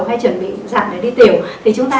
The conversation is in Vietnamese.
hay chuẩn bị dặn để đi tiểu thì chúng ta